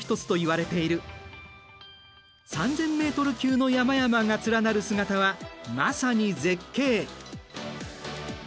３，０００ｍ級の山々が連なる姿はまさに絶景。